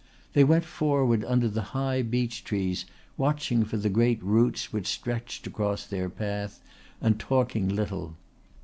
They went forward under the high beech trees watching for the great roots which stretched across their path, and talking little.